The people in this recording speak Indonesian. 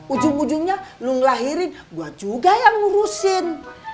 ujung ujungnya lu ngelahirin buat juga yang ngurusin